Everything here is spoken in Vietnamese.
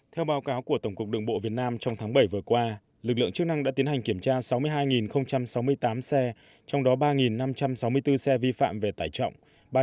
theo báo cáo của tổng cục đường bộ việt nam trong tháng bảy vừa qua lực lượng chức năng đã tiến hành kiểm tra sáu mươi hai sáu mươi tám xe trong đó ba năm trăm sáu mươi bốn xe vi phạm về tải trọng